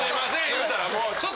言うたらもう。